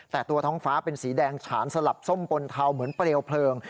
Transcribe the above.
แต่ตัวท้องฟ้าเป็นสีแดงฉานสลับส้มปนเทาเหมือนเปลวเพลิง